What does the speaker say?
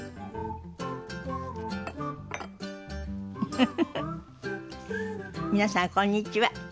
フフフフ皆さんこんにちは。